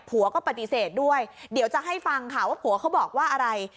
ผัวก็ปฏิเสธด้วยเดี๋ยวจะให้ฟังค่ะว่าผัวเขาบอกว่าอะไร